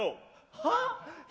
はっ？